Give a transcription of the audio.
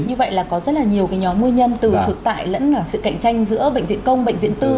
như vậy là có rất là nhiều nhóm nguyên nhân từ thực tại lẫn sự cạnh tranh giữa bệnh viện công bệnh viện tư